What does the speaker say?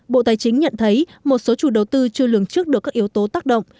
bộ tài chính nhận thấy một số chủ đầu tư chưa lường trước được các yếu tố tác động